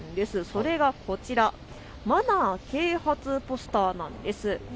それがこちら、マナー啓発ポスターなんです。